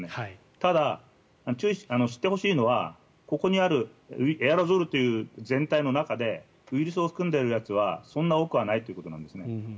ただ、知ってほしいのはここにあるエアロゾルという全体の中でウイルスを含んでいるやつはそんなに多くはないということなんです。